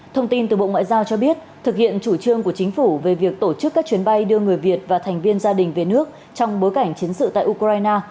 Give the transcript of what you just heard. thông tin từ bộ ngoại giao cho biết thực hiện chủ trương của chính phủ về việc tổ chức các chuyến bay đưa người việt và thành viên gia đình về nước trong bối cảnh chiến sự tại ukraine